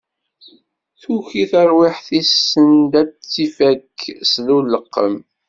Tuki terwiḥt-is send ad tt-ifak s uleqqem.